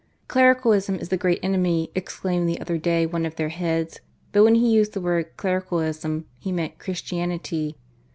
"Clericalism is the great enemy," ex claimed the other day one of their heads ; but when he used the word "clericalism," he meant "Christi anity."